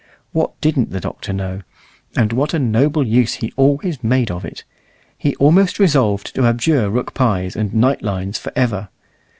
What didn't the Doctor know? And what a noble use he always made of it! He almost resolved to abjure rook pies and night lines for ever.